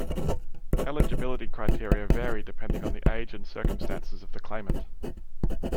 Eligibility criteria vary depending on the age and circumstances of the claimant.